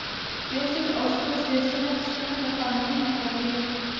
یو سل او شپږ دیرشمه پوښتنه د قانون مرحلې دي.